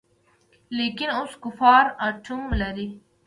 لکېن اوس کفار آټوم لري.